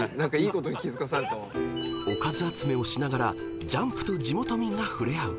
［おかず集めをしながらＪＵＭＰと地元民が触れ合う］